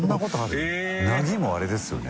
「」もあれですよね。